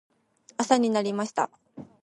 朝になりました。